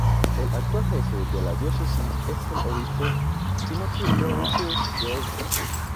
El actual jefe de la Diócesis es el Obispo Timothy Lawrence Doherty.